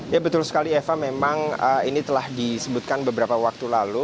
ya betul sekali eva memang ini telah disebutkan beberapa waktu lalu